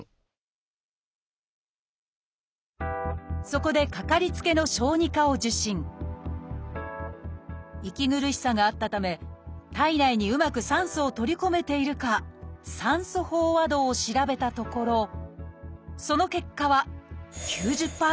そこでかかりつけの息苦しさがあったため体内にうまく酸素を取り込めているか酸素飽和度を調べたところその結果は９０％。